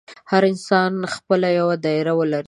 هر انسان خپله یوه ډایري ولري.